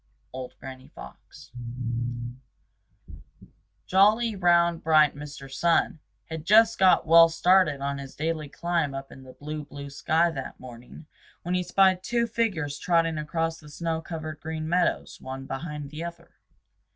—Old Granny Fox. Jolly, round, bright Mr. Sun had just got well started on his daily climb up in the blue, blue sky that morning when he spied two figures trotting across the snow covered Green Meadows, one behind the other.